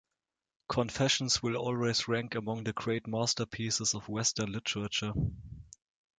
"Confessions" will always rank among the great masterpieces of western literature.